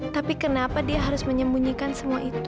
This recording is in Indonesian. tapi kenapa dia harus menyembunyikan semua itu